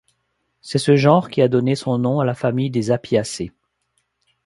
C'est ce genre qui a donné son nom à la famille des Apiacées.